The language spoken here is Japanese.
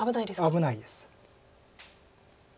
危ないです。